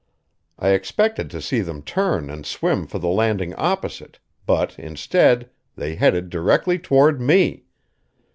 I expected to see them turn and swim for the landing opposite; but, instead, they headed directly toward me!